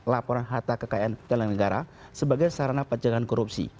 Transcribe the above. laporan harta kekayaan penyelenggara negara sebagai sarana penjagaan korupsi